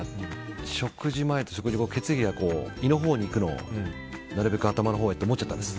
食事前と食事後血液が胃のほうに行くのをなるべく頭のほうへと思っちゃったんです。